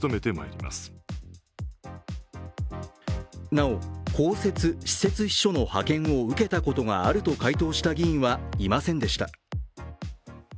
なお、公設・私設秘書の派遣を受けたことがあると回答した議員はいませんでした。